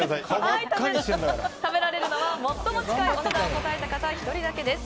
食べられるのは最も近いお値段を答えられた１人だけです。